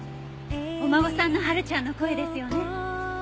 お孫さんのハルちゃんの声ですよね？